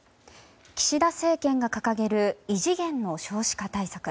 岸田政権が掲げる異次元の少子化対策。